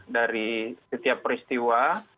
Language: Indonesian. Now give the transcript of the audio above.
dari setiap peristiwa